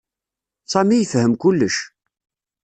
Sami yefhem kullec.